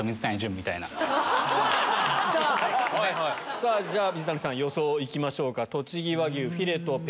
さぁ水谷さん予想行きましょうか。